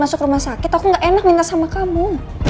masuk rumah sakit aku gak enak minta sama kamu